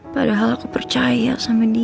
padahal aku percaya sama dia